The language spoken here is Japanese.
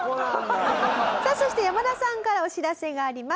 さあそして山田さんからお知らせがあります。